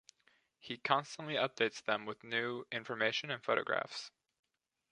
He constantly updates them with new information and photographs.